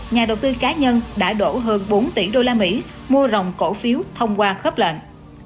nhà đầu tư cá nhân đã đổ hơn bốn tỷ usd mua dòng cổ phiếu thông qua khớp lệnh